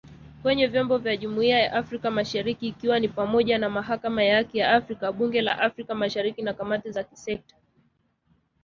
Kwenye vyombo vya Jumuiya ya Afrika Mashariki ikiwa ni pamoja na Mahakama ya Haki ya Afrika, Bunge la Afrika Mashariki na kamati za kisekta.